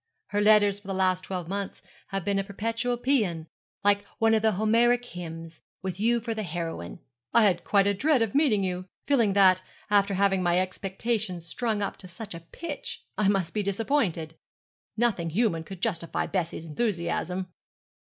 'Her letters for the last twelve months have been a perpetual paean like one of the Homeric hymns, with you for the heroine. I had quite a dread of meeting you, feeling that, after having my expectations strung up to such a pitch, I must be disappointed. Nothing human could justify Bessie's enthusiasm.'